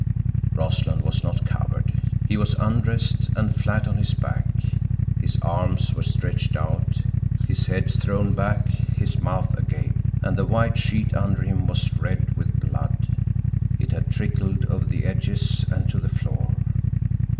Rossland was not covered. He was undressed and flat on his back. His arms were stretched out, his head thrown back, his mouth agape. And the white sheet under him was red with blood. It had trickled over the edges and to the floor.